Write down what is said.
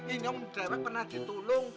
ini orang dewek pernah ditulung